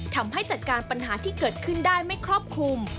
ทำให้จัดการปัญหาที่เกิดขึ้นได้ไม่ครอบคลุม